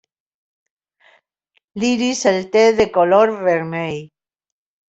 L'iris el té de color vermell.